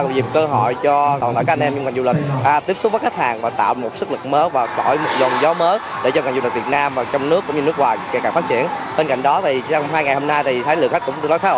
bên cạnh đó trong hai ngày hôm nay thì thái lượng khách cũng tương đối khá ổn